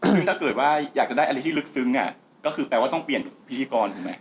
ซึ่งถ้าเกิดว่าอยากจะได้อะไรที่ลึกซึ้งก็คือแปลว่าต้องเปลี่ยนพิธีกรถูกไหม